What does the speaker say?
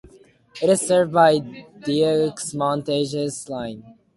It is served by the Deux-Montagnes line.